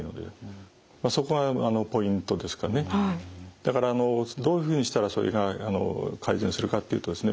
だからどういうふうにしたらそれが改善するかっていうとですね